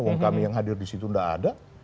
orang kami yang hadir disitu nggak ada